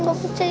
elu ada di sini